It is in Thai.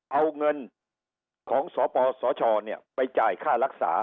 เอาเงินของสปสชไปจ่ายค่ารักษา